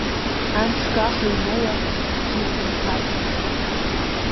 Амшгаха имоума ддикәанхартә.